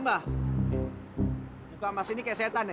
buka mas ini kayak setan ya